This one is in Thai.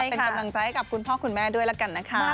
เป็นกำลังใจให้กับคุณพ่อคุณแม่ด้วยแล้วกันนะคะ